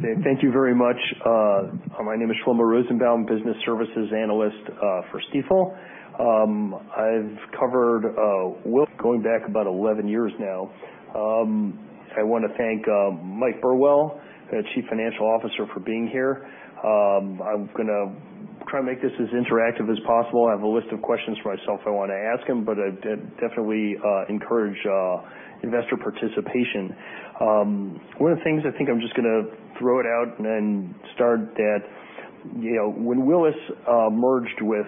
Thank you very much. My name is Shlomo Rosenbaum, business services analyst for Stifel. I've covered Willis going back about 11 years now. I want to thank Mike Burwell, Chief Financial Officer, for being here. I'm going to try and make this as interactive as possible. I have a list of questions for myself I want to ask him, but I definitely encourage investor participation. One of the things, I think I'm just going to throw it out and then start that when Willis merged with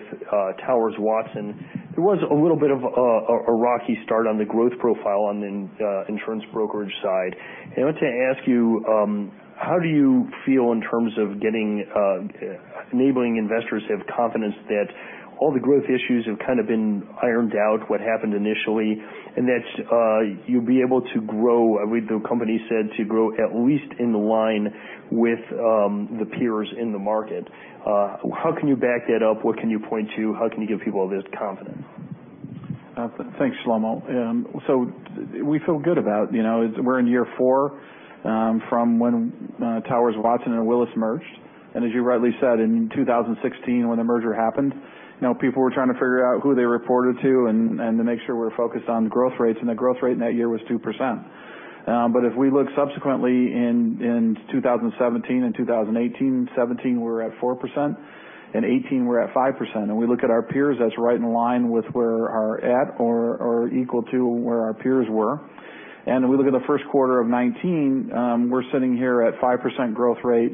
Towers Watson, there was a little bit of a rocky start on the growth profile on the insurance brokerage side. I want to ask you, how do you feel in terms of enabling investors to have confidence that all the growth issues have kind of been ironed out, what happened initially, and that you'll be able to grow, I read the company said, to grow at least in line with the peers in the market. How can you back that up? What can you point to? How can you give people this confidence? Thanks, Shlomo. We feel good about it. We're in year four from when Towers Watson and Willis merged. As you rightly said, in 2016, when the merger happened, people were trying to figure out who they reported to and to make sure we're focused on growth rates, and the growth rate in that year was 2%. If we look subsequently in 2017 and 2018, '17 we were at 4%, and '18 we were at 5%. We look at our peers, that's right in line with where we are at or equal to where our peers were. Then we look at the first quarter of '19, we're sitting here at 5% growth rate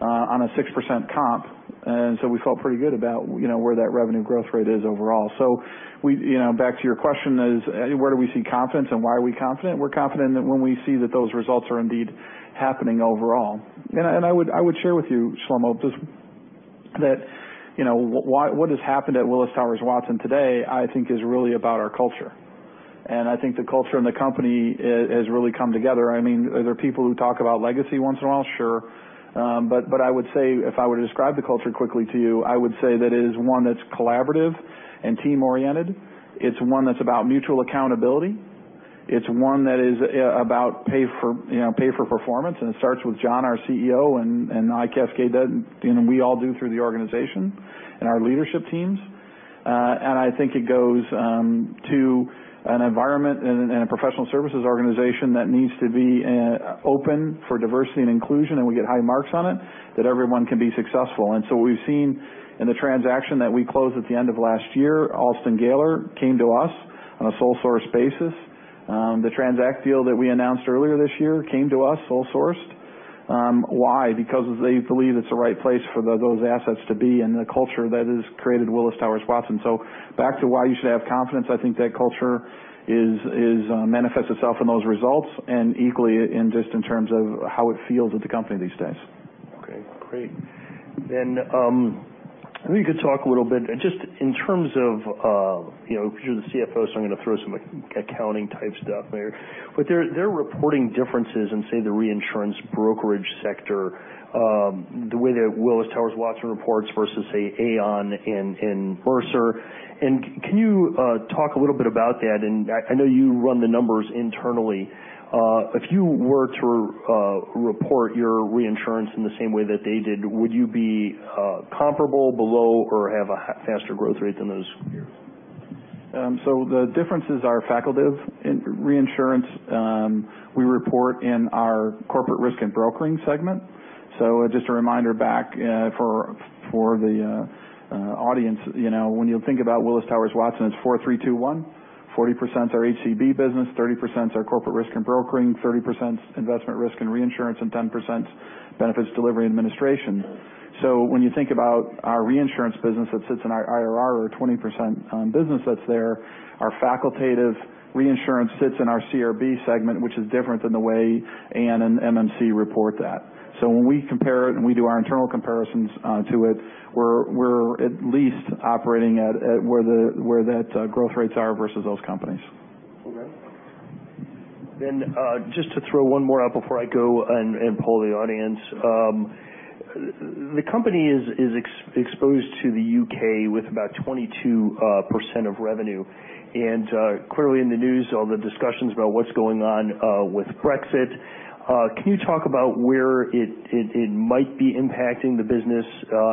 on a 6% comp. We felt pretty good about where that revenue growth rate is overall. Back to your question is, where do we see confidence and why are we confident? We're confident that when we see that those results are indeed happening overall. I would share with you, Shlomo, just that what has happened at Willis Towers Watson today, I think, is really about our culture. I think the culture in the company has really come together. Are there people who talk about legacy once in a while? Sure. I would say, if I were to describe the culture quickly to you, I would say that it is one that's collaborative and team-oriented. It's one that's about mutual accountability. It's one that is about pay for performance, and it starts with John, our CEO, and I cascade that, and we all do through the organization and our leadership teams. I think it goes to an environment and a professional services organization that needs to be open for diversity and inclusion, and we get high marks on it, that everyone can be successful. What we've seen in the transaction that we closed at the end of last year, Alston & Galer came to us on a sole source basis. The TRANZACT deal that we announced earlier this year came to us sole sourced. Why? Because they believe it's the right place for those assets to be and the culture that has created Willis Towers Watson. Back to why you should have confidence, I think that culture manifests itself in those results and equally in just in terms of how it feels at the company these days. Okay, great. Maybe you could talk a little bit, just in terms of, because you're the CFO, I'm going to throw some accounting type stuff in there. There are reporting differences in, say, the reinsurance brokerage sector, the way that Willis Towers Watson reports versus, say, Aon and Mercer. Can you talk a little bit about that? I know you run the numbers internally. If you were to report your reinsurance in the same way that they did, would you be comparable, below, or have a faster growth rate than those peers? The differences are facultative in reinsurance. We report in our Corporate Risk and Broking segment. Just a reminder back for the audience, when you think about Willis Towers Watson, it's 4-3-2-1. 40% is our HCB business, 30% is our Corporate Risk and Broking, 30% Investment, Risk and Reinsurance, and 10% Benefits Delivery and Administration. When you think about our reinsurance business that sits in our IRR or 20% business that's there, our facultative reinsurance sits in our CRB segment, which is different than the way Aon and MMC report that. When we compare it and we do our internal comparisons to it, we're at least operating at where that growth rates are versus those companies. Okay. Just to throw one more out before I go and poll the audience. The company is exposed to the U.K. with about 22% of revenue. Clearly in the news, all the discussions about what's going on with Brexit. Can you talk about where it might be impacting the business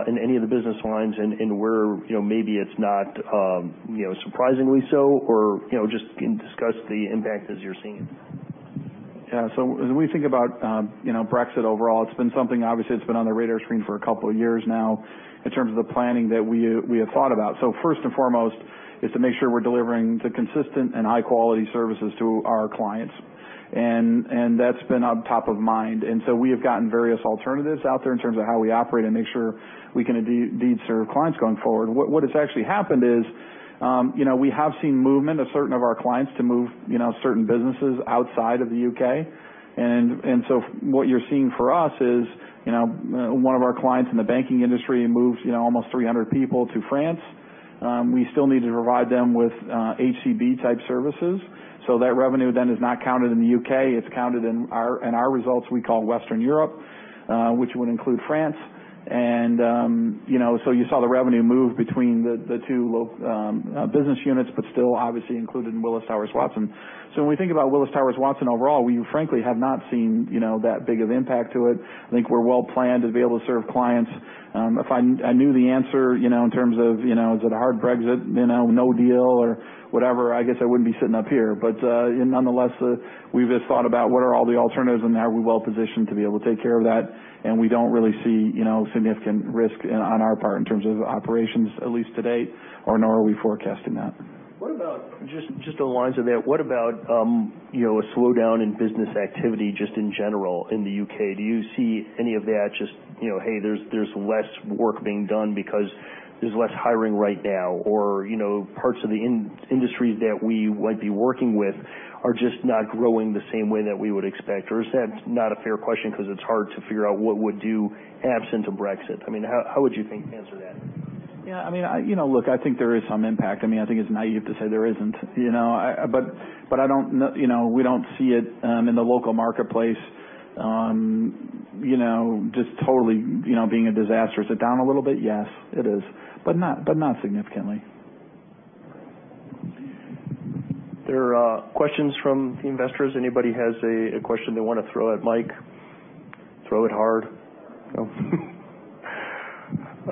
in any of the business lines and where maybe it's not surprisingly so or just can discuss the impact as you're seeing? As we think about Brexit overall, it's been something obviously that's been on the radar screen for a couple of years now in terms of the planning that we have thought about. First and foremost is to make sure we're delivering the consistent and high-quality services to our clients. That's been on top of mind. We have gotten various alternatives out there in terms of how we operate and make sure we can indeed serve clients going forward. What has actually happened is we have seen movement of certain of our clients to move certain businesses outside of the U.K. What you're seeing for us is one of our clients in the banking industry moves almost 300 people to France. We still need to provide them with HCB type services. That revenue then is not counted in the U.K. It's counted in our results we call Western Europe, which would include France. You saw the revenue move between the two business units, but still obviously included in Willis Towers Watson. When we think about Willis Towers Watson overall, we frankly have not seen that big of impact to it. I think we're well planned to be able to serve clients. If I knew the answer in terms of, is it a hard Brexit, no deal or whatever, I guess I wouldn't be sitting up here. Nonetheless, we've just thought about what are all the alternatives and are we well positioned to be able to take care of that, and we don't really see significant risk on our part in terms of operations, at least to date, or nor are we forecasting that. What about, just along the lines of that, what about a slowdown in business activity just in general in the U.K.? Do you see any of that just, hey, there's less work being done because there's less hiring right now, or parts of the industry that we might be working with are just not growing the same way that we would expect? Is that not a fair question because it's hard to figure out what would do absent a Brexit? I mean, how would you think to answer that? Look, I think there is some impact. I think it's naive to say there isn't. We don't see it in the local marketplace just totally being a disaster. Is it down a little bit? Yes, it is, but not significantly. There are questions from investors. Anybody has a question they want to throw at Mike? Throw it hard. No.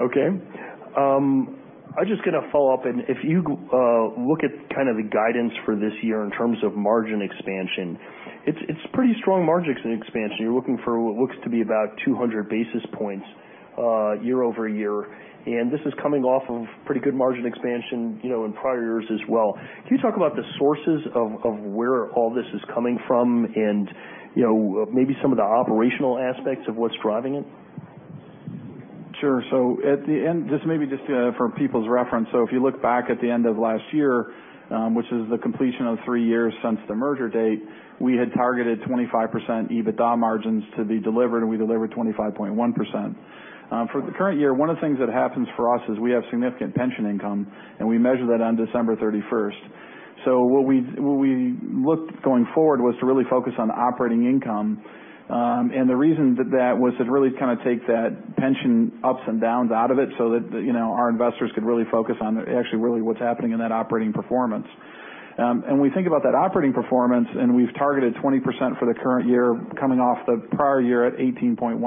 Okay. I'm just going to follow up. If you look at kind of the guidance for this year in terms of margin expansion, it's pretty strong margins in expansion. You're looking for what looks to be about 200 basis points year-over-year, and this is coming off of pretty good margin expansion in prior years as well. Can you talk about the sources of where all this is coming from and maybe some of the operational aspects of what's driving it? Sure. At the end, just maybe just for people's reference. If you look back at the end of last year, which is the completion of three years since the merger date, we had targeted 25% EBITDA margins to be delivered, and we delivered 25.1%. For the current year, one of the things that happens for us is we have significant pension income, and we measure that on December 31st. What we looked going forward was to really focus on operating income. The reason that that was to really kind of take that pension ups and downs out of it so that our investors could really focus on actually really what's happening in that operating performance. We think about that operating performance, and we've targeted 20% for the current year, coming off the prior year at 18.1%.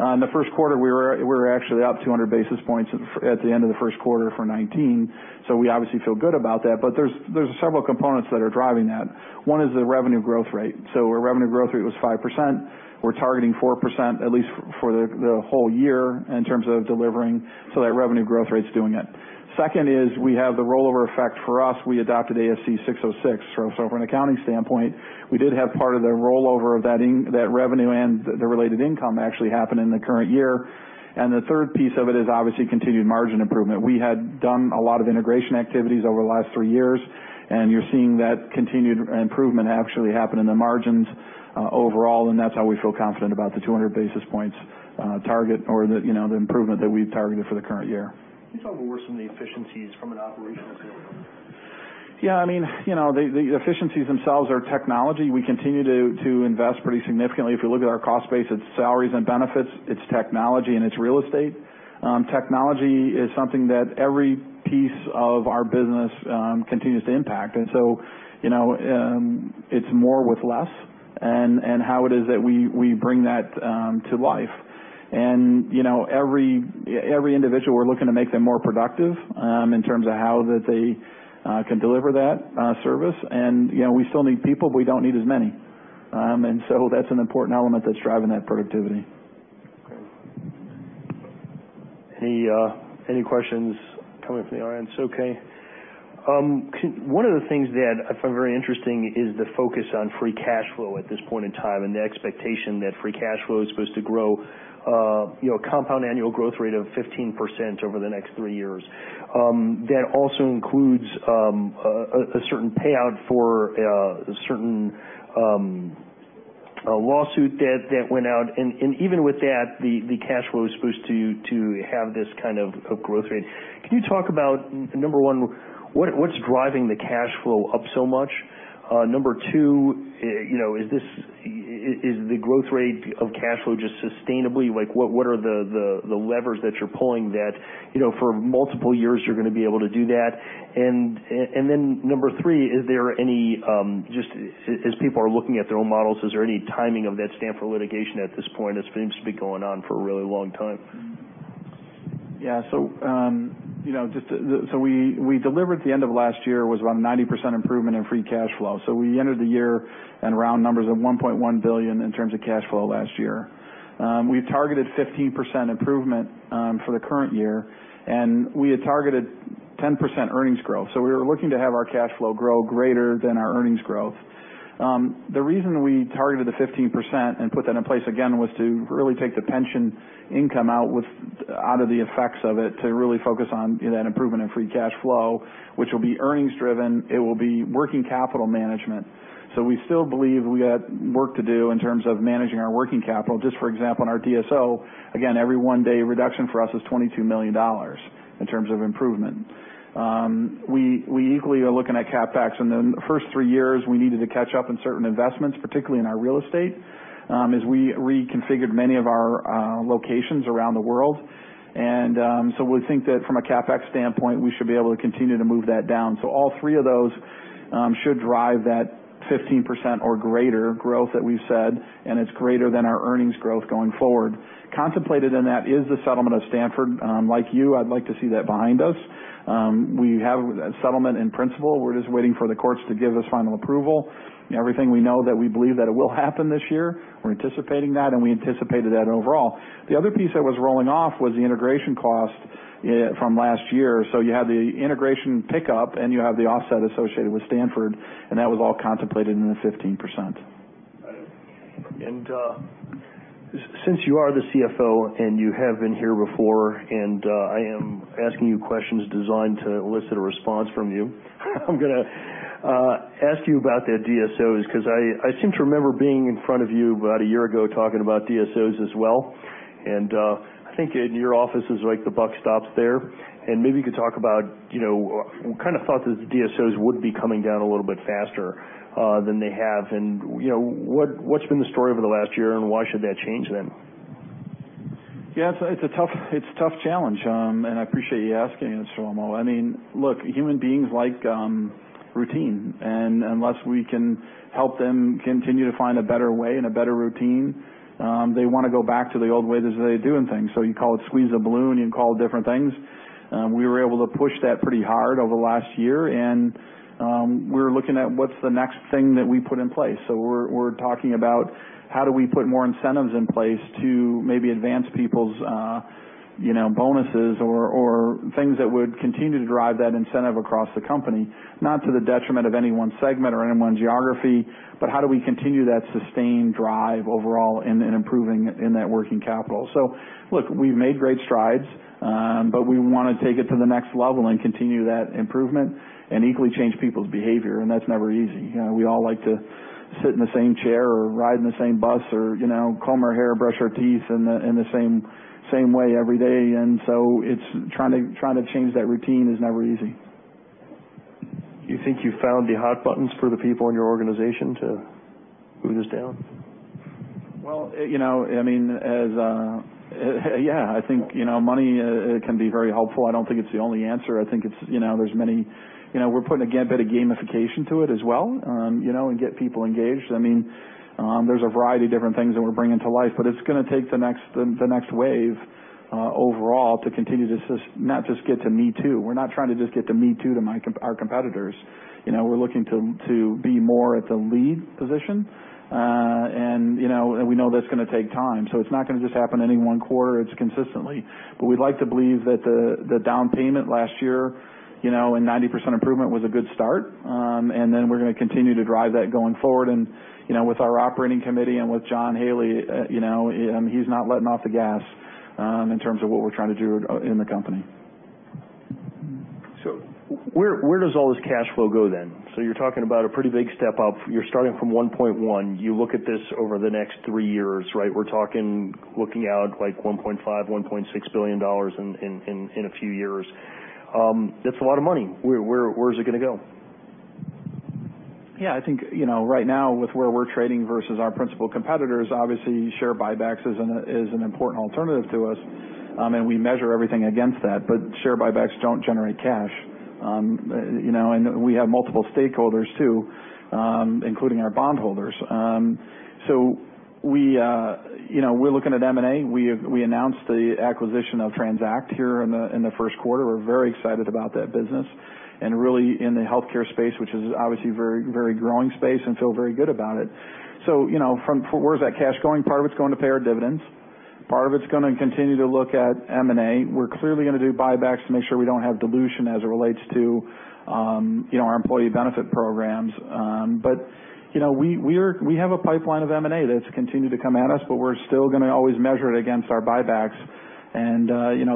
In the first quarter, we were actually up 200 basis points at the end of the first quarter for 2019. We obviously feel good about that, but there's several components that are driving that. One is the revenue growth rate. Our revenue growth rate was 5%. We're targeting 4%, at least for the whole year in terms of delivering. That revenue growth rate's doing it. Second is we have the rollover effect for us. We adopted ASC 606. From an accounting standpoint, we did have part of the rollover of that revenue and the related income actually happen in the current year. The third piece of it is obviously continued margin improvement. We had done a lot of integration activities over the last three years, you're seeing that continued improvement actually happen in the margins overall, that's how we feel confident about the 200 basis points target or the improvement that we've targeted for the current year. Can you talk about where some of the efficiencies from an operational standpoint? Yeah. The efficiencies themselves are technology. We continue to invest pretty significantly. If you look at our cost base, it's salaries and benefits, it's technology, and it's real estate. Technology is something that every piece of our business continues to impact, so it's more with less and how it is that we bring that to life. Every individual, we're looking to make them more productive in terms of how they can deliver that service. We still need people, but we don't need as many. That's an important element that's driving that productivity. Okay. Any questions coming from the? It's okay. One of the things that I find very interesting is the focus on free cash flow at this point in time and the expectation that free cash flow is supposed to grow compound annual growth rate of 15% over the next three years. That also includes a certain payout for a certain lawsuit debt that went out. Even with that, the cash flow is supposed to have this kind of growth rate. Can you talk about, number one, what's driving the cash flow up so much? Number two, is the growth rate of cash flow just sustainable? What are the levers that you're pulling that for multiple years you're going to be able to do that? Number three, as people are looking at their own models, is there any timing of that Stanford litigation at this point? It seems to be going on for a really long time. Yeah. We delivered at the end of last year was around 90% improvement in free cash flow. We entered the year in round numbers of $1.1 billion in terms of cash flow last year. We've targeted 15% improvement for the current year, and we had targeted 10% earnings growth. We were looking to have our cash flow grow greater than our earnings growth. The reason we targeted the 15% and put that in place again was to really take the pension income out of the effects of it to really focus on that improvement in free cash flow, which will be earnings driven. It will be working capital management. We still believe we got work to do in terms of managing our working capital. Just for example, in our DSO, again, every one-day reduction for us is $22 million in terms of improvement. We equally are looking at CapEx. In the first three years, we needed to catch up in certain investments, particularly in our real estate, as we reconfigured many of our locations around the world. We think that from a CapEx standpoint, we should be able to continue to move that down. All three of those should drive that 15% or greater growth that we've said, and it's greater than our earnings growth going forward. Contemplated in that is the settlement of Stanford. Like you, I'd like to see that behind us. We have a settlement in principle. We're just waiting for the courts to give us final approval. Everything we know that we believe that it will happen this year. We're anticipating that, and we anticipated that overall. The other piece that was rolling off was the integration cost from last year. You have the integration pickup, and you have the offset associated with Stanford, and that was all contemplated in the 15%. Since you are the CFO and you have been here before, and I am asking you questions designed to elicit a response from you, I'm going to ask you about the DSOs because I seem to remember being in front of you about a year ago talking about DSOs as well. I think in your office, it's like the buck stops there. We kind of thought that the DSOs would be coming down a little bit faster than they have. What's been the story over the last year, and why should that change then? Yeah, it's a tough challenge, and I appreciate you asking it, Shlomo. Look, human beings like routine, and unless we can help them continue to find a better way and a better routine, they want to go back to the old ways they were doing things. You call it squeeze the balloon, you can call it different things. We were able to push that pretty hard over the last year, and we're looking at what's the next thing that we put in place. We're talking about how do we put more incentives in place to maybe advance people's bonuses or things that would continue to drive that incentive across the company, not to the detriment of any one segment or any one geography, but how do we continue that sustained drive overall in improving in net working capital? Look, we've made great strides, but we want to take it to the next level and continue that improvement and equally change people's behavior, and that's never easy. We all like to sit in the same chair or ride in the same bus or comb our hair, brush our teeth in the same way every day. Trying to change that routine is never easy. You think you've found the hot buttons for the people in your organization to move this down? Well, yeah. I think money can be very helpful. I don't think it's the only answer. I think we're putting a bit of gamification to it as well, and get people engaged. There's a variety of different things that we're bringing to life. It's going to take the next wave overall to continue to not just get to me too. We're not trying to just get to me too to our competitors. We're looking to be more at the lead position. We know that's going to take time. It's not going to just happen any one quarter. It's consistently. We'd like to believe that the down payment last year, and 90% improvement was a good start. Then we're going to continue to drive that going forward. With our operating committee and with John Haley, he's not letting off the gas in terms of what we're trying to do in the company. Where does all this cash flow go then? You're talking about a pretty big step up. You're starting from 1.1. You look at this over the next three years. We're talking looking out like $1.5, $1.6 billion in a few years. That's a lot of money. Where's it going to go? I think right now with where we're trading versus our principal competitors, obviously share buybacks is an important alternative to us, and we measure everything against that. Share buybacks don't generate cash. We have multiple stakeholders too, including our bondholders. We're looking at M&A. We announced the acquisition of TRANZACT here in the first quarter. We're very excited about that business and really in the healthcare space, which is obviously a very growing space and feel very good about it. Where's that cash going? Part of it's going to pay our dividends. Part of it's going to continue to look at M&A. We're clearly going to do buybacks to make sure we don't have dilution as it relates to our employee benefit programs. We have a pipeline of M&A that's continued to come at us, but we're still going to always measure it against our buybacks, and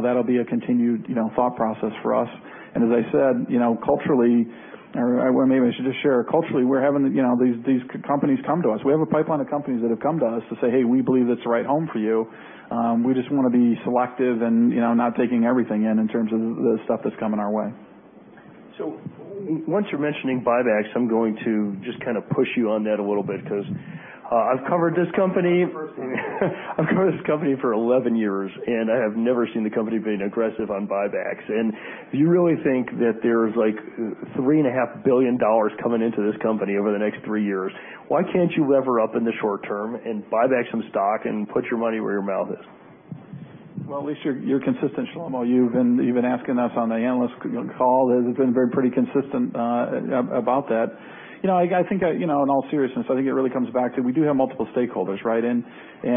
that'll be a continued thought process for us. As I said, culturally, or maybe I should just share, culturally, we're having these companies come to us. We have a pipeline of companies that have come to us to say, "Hey, we believe it's the right home for you." We just want to be selective and not taking everything in terms of the stuff that's coming our way. Once you're mentioning buybacks, I'm going to just kind of push you on that a little bit because I've covered this company- Not the first time. I've covered this company for 11 years, I have never seen the company being aggressive on buybacks. Do you really think that there's like $3.5 billion coming into this company over the next three years? Why can't you lever up in the short term and buy back some stock and put your money where your mouth is? Well, at least you're consistent, Shlomo. You've been asking us on the analyst call. It has been pretty consistent about that. I think in all seriousness, I think it really comes back to we do have multiple stakeholders. We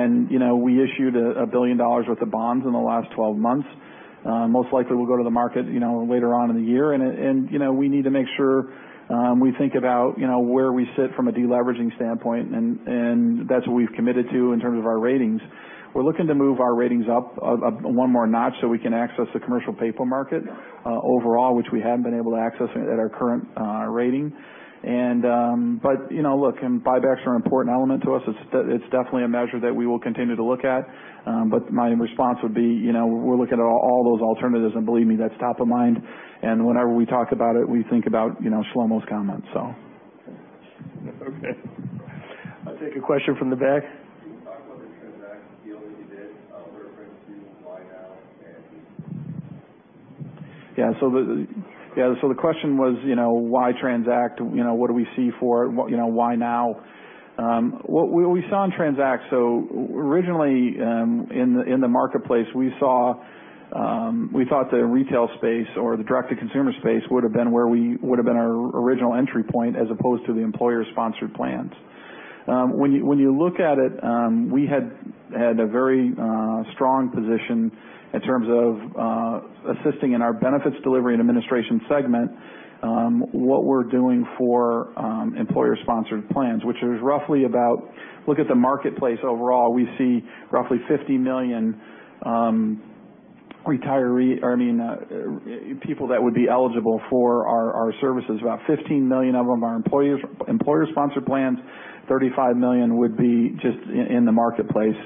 issued $1 billion worth of bonds in the last 12 months. Most likely we'll go to the market later on in the year, we need to make sure we think about where we sit from a deleveraging standpoint, and that's what we've committed to in terms of our ratings. We're looking to move our ratings up one more notch so we can access the commercial paper market overall, which we haven't been able to access at our current rating. Look, buybacks are an important element to us. It's definitely a measure that we will continue to look at. My response would be, we're looking at all those alternatives, and believe me, that's top of mind. Whenever we talk about it, we think about Shlomo's comments. Okay. I'll take a question from the back. deal that you did, a reference to why now and. Yeah. The question was, why TRANZACT? What do we see for it? Why now? What we saw in TRANZACT, so originally, in the marketplace, we thought the retail space or the direct-to-consumer space would have been our original entry point, as opposed to the employer-sponsored plans. When you look at it, we had a very strong position in terms of assisting in our Benefits Delivery and Administration segment, what we're doing for employer-sponsored plans. Which is roughly about, look at the marketplace overall, we see roughly 50 million people that would be eligible for our services. About 15 million of them are employer-sponsored plans, 35 million would be just in the marketplace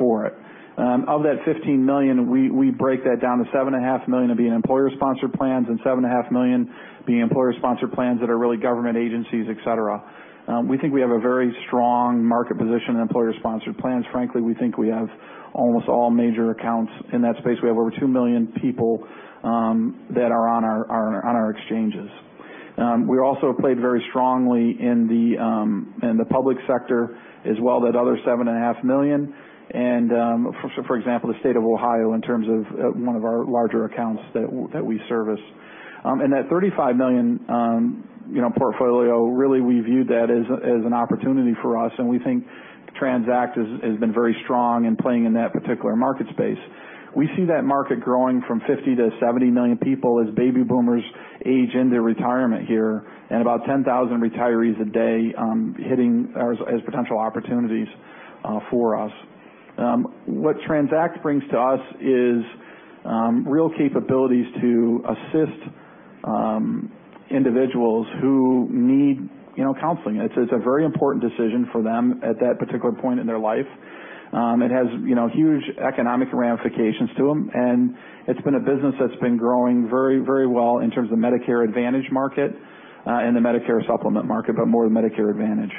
for it. Of that 15 million, we break that down to seven and a half million to be in employer-sponsored plans, and seven and a half million be employer-sponsored plans that are really government agencies, et cetera. We think we have a very strong market position in employer-sponsored plans. Frankly, we think we have almost all major accounts in that space. We have over 2 million people that are on our exchanges. We also played very strongly in the public sector as well, that other 7.5 million. For example, the state of Ohio in terms of one of our larger accounts that we service. That 35 million portfolio, really, we viewed that as an opportunity for us, and we think TRANZACT has been very strong in playing in that particular market space. We see that market growing from 50 million to 70 million people as baby boomers age into retirement here, and about 10,000 retirees a day as potential opportunities for us. What TRANZACT brings to us is real capabilities to assist individuals who need counseling. It's a very important decision for them at that particular point in their life. It has huge economic ramifications to them, and it's been a business that's been growing very well in terms of Medicare Advantage market, and the Medicare Supplement market, but more the Medicare Advantage.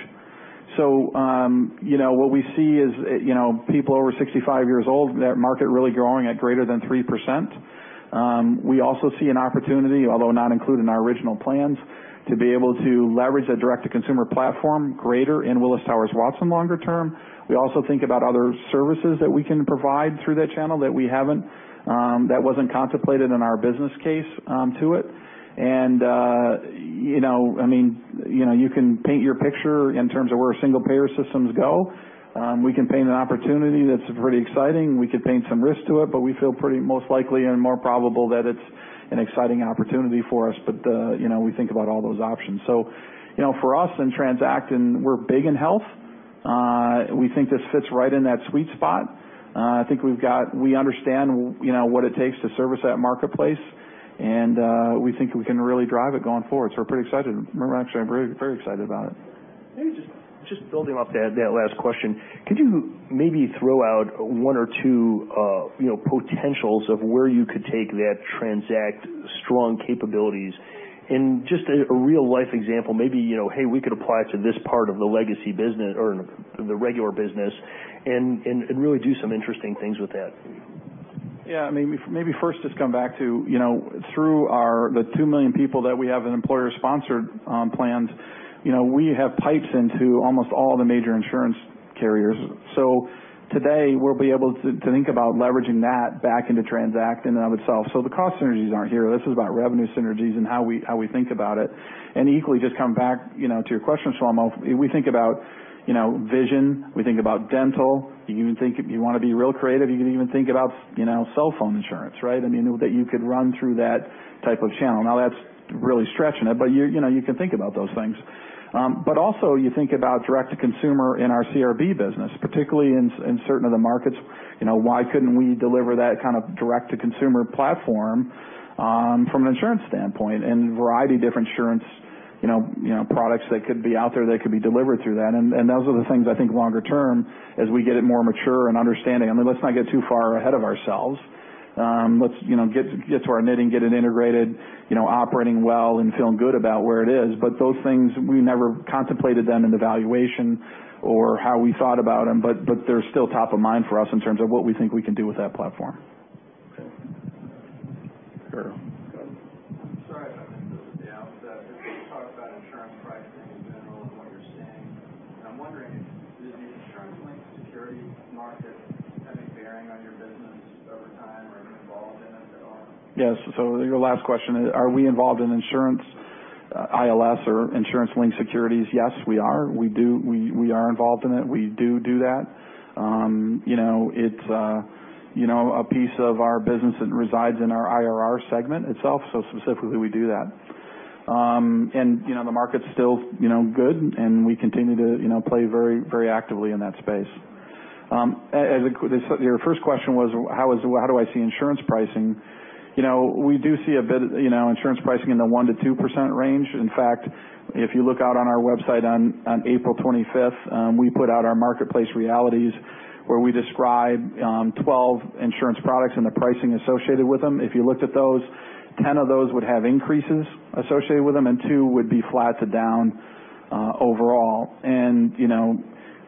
What we see is people over 65 years old, that market really growing at greater than 3%. We also see an opportunity, although not included in our original plans, to be able to leverage that direct-to-consumer platform greater in Willis Towers Watson longer term. We also think about other services that we can provide through that channel that we haven't, that wasn't contemplated in our business case to it. You can paint your picture in terms of where single-payer systems go. We can paint an opportunity that's really exciting. We could paint some risk to it, but we feel most likely and more probable that it's an exciting opportunity for us. We think about all those options. For us in TRANZACT, we're big in health, we think this fits right in that sweet spot. I think we understand what it takes to service that marketplace, and we think we can really drive it going forward. We're pretty excited. Actually, I'm very excited about it. Maybe just building off that last question, could you maybe throw out one or two potentials of where you could take that TRANZACT strong capabilities, just a real-life example, maybe, "Hey, we could apply to this part of the legacy business or the regular business," really do some interesting things with that? Yeah. Maybe first just come back to through the 2 million people that we have in employer-sponsored plans, we have pipes into almost all the major insurance carriers. Today, we'll be able to think about leveraging that back into TRANZACT in and of itself. The cost synergies aren't here. This is about revenue synergies and how we think about it. Equally, just come back to your question, Shlomo, we think about vision, we think about dental. You want to be real creative, you can even think about cell phone insurance, right? That you could run through that type of channel. Now that's really stretching it, but you can think about those things. But also, you think about direct to consumer in our CRB business, particularly in certain of the markets. Why couldn't we deliver that kind of direct-to-consumer platform from an insurance standpoint and a variety of different insurance products that could be out there that could be delivered through that? Those are the things I think longer term, as we get it more mature and understanding. Let's not get too far ahead of ourselves. Let's get to our knitting, get it integrated, operating well, and feeling good about where it is. Those things, we never contemplated them in the valuation or how we thought about them. They're still top of mind for us in terms of what we think we can do with that platform. Okay. Sure. Sorry if I missed this. Yeah, I was going to talk about insurance pricing in general and what you're seeing. I'm wondering, does the insurance-linked security market have a bearing on your business over time? Are you involved in it at all? Yes. Your last question, are we involved in insurance ILS or insurance-linked securities? Yes, we are. We are involved in it. We do do that. It's a piece of our business that resides in our IRR segment itself. Specifically, we do that. The market's still good, and we continue to play very actively in that space. Your first question was, how do I see insurance pricing? We do see insurance pricing in the 1%-2% range. In fact, if you look out on our website on April 25th, we put out our Insurance Marketplace Realities where we describe 12 insurance products and the pricing associated with them. If you looked at those, 10 of those would have increases associated with them, and two would be flat to down overall.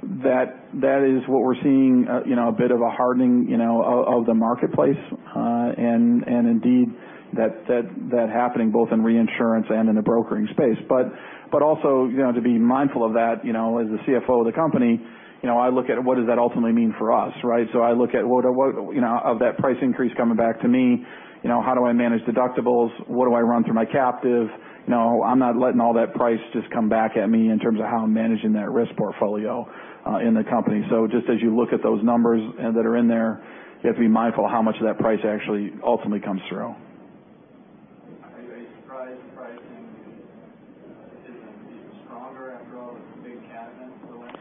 That is what we're seeing, a bit of a hardening of the marketplace, and indeed that happening both in reinsurance and in the brokering space. Also to be mindful of that, as the CFO of the company, I look at what does that ultimately mean for us, right? I look at, of that price increase coming back to me, how do I manage deductibles? What do I run through my captive? No, I'm not letting all that price just come back at me in terms of how I'm managing that risk portfolio in the company. Just as you look at those numbers that are in there, you have to be mindful how much of that price actually ultimately comes through. Are you surprised the pricing isn't even stronger after all the big cat events of the last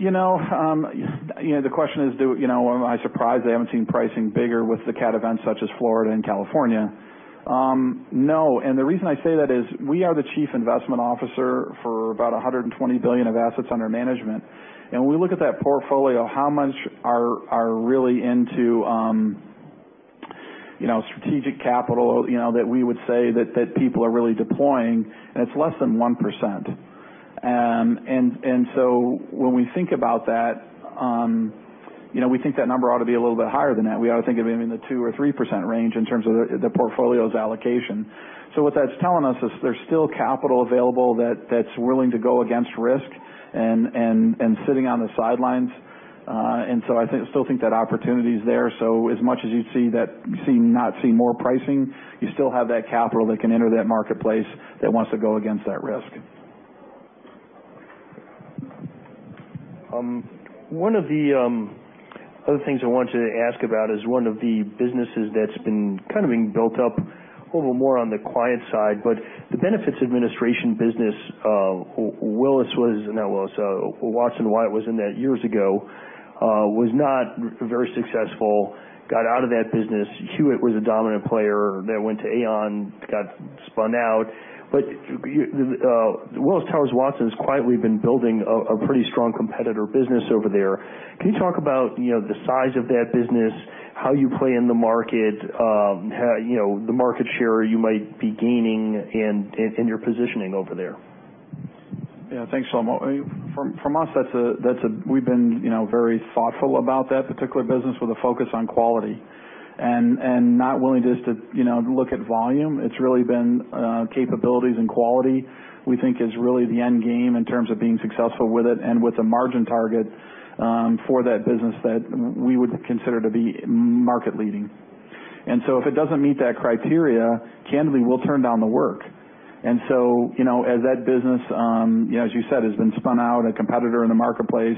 few years? The question is, am I surprised I haven't seen pricing bigger with the cat events such as Florida and California? No, the reason I say that is we are the chief investment officer for about $120 billion of assets under management. When we look at that portfolio, how much are really into strategic capital, that we would say that people are really deploying, and it's less than 1%. When we think about that, we think that number ought to be a little bit higher than that. We ought to think of it maybe in the 2% or 3% range in terms of the portfolio's allocation. What that's telling us is there's still capital available that's willing to go against risk and sitting on the sidelines. I still think that opportunity's there, as much as you not see more pricing, you still have that capital that can enter that marketplace that wants to go against that risk. One of the other things I wanted to ask about is one of the businesses that's been kind of being built up, a little more on the quiet side, but the Benefits Delivery and Administration business, Watson Wyatt was in that years ago, was not very successful, got out of that business. Hewitt was a dominant player that went to Aon, got spun out. Willis Towers Watson has quietly been building a pretty strong competitor business over there. Can you talk about the size of that business, how you play in the market, the market share you might be gaining and your positioning over there? Yeah. Thanks, Shlomo. From us, we've been very thoughtful about that particular business with a focus on quality and not willing just to look at volume. It's really been capabilities and quality we think is really the end game in terms of being successful with it and with a margin target for that business that we would consider to be market leading. If it doesn't meet that criteria, candidly, we'll turn down the work. As that business, as you said, has been spun out, a competitor in the marketplace,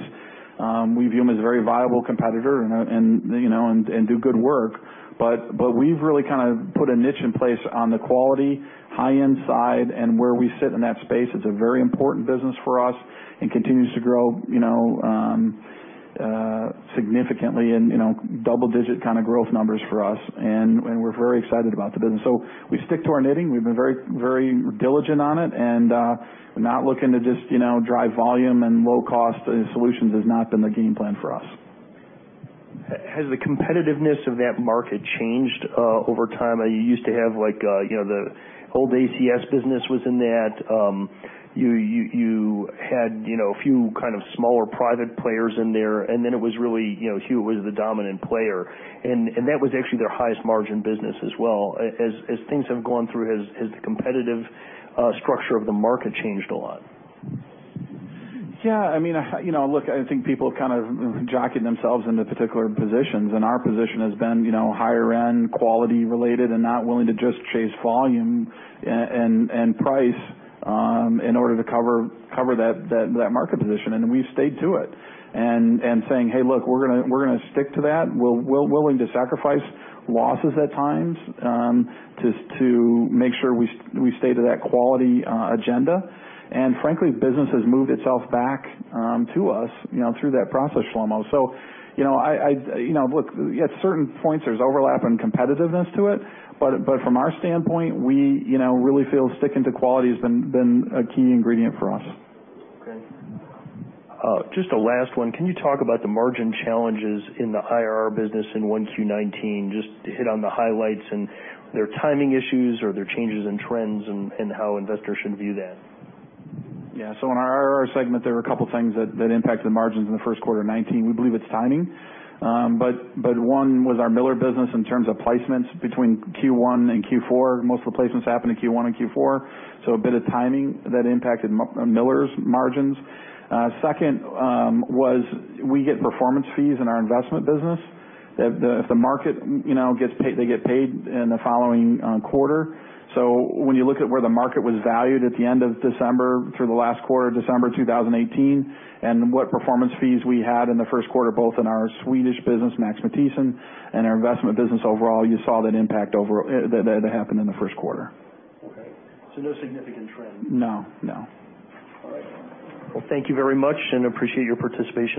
we view them as a very viable competitor and do good work. We've really kind of put a niche in place on the quality high-end side and where we sit in that space. It's a very important business for us and continues to grow significantly in double-digit kind of growth numbers for us. We're very excited about the business. We stick to our knitting. We've been very diligent on it, and not looking to just drive volume and low cost solutions has not been the game plan for us. Has the competitiveness of that market changed over time? You used to have the old ACS business was in that. You had a few kind of smaller private players in there, then it was really Hewitt was the dominant player. That was actually their highest margin business as well. As things have gone through, has the competitive structure of the market changed a lot? Yeah. Look, I think people have kind of jockeyed themselves into particular positions, and our position has been higher end, quality related, not willing to just chase volume and price in order to cover that market position. We've stayed to it and saying, "Hey, look, we're going to stick to that." We're willing to sacrifice losses at times to make sure we stay to that quality agenda. Frankly, business has moved itself back to us through that process, Shlomo. Look, at certain points, there's overlap and competitiveness to it, but from our standpoint, we really feel sticking to quality has been a key ingredient for us. Okay. Just a last one. Can you talk about the margin challenges in the IRR business in 1Q 2019, just to hit on the highlights and their timing issues or their changes in trends and how investors should view that? Yeah. In our IRR segment, there are a couple things that impact the margins in the first quarter of 2019. We believe it's timing. One was our Miller business in terms of placements between Q1 and Q4. Most of the placements happen in Q1 and Q4, a bit of timing that impacted Miller's margins. Second was we get performance fees in our investment business. If the market gets paid, they get paid in the following quarter. When you look at where the market was valued at the end of December through the last quarter of December 2018, and what performance fees we had in the first quarter, both in our Swedish business, Max Matthiessen, and our investment business overall, you saw that impact that happened in the first quarter. Okay. No significant trend? No. All right. Well, thank you very much and appreciate your participation.